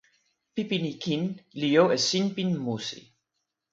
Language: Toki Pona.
pipi ni kin li jo e sinpin musi.